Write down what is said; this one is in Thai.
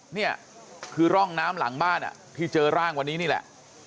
นี่คือร่องน้ำหลังบ้านที่เจอร่างวันนี้นี่แหละ